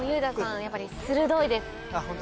やっぱり鋭いです。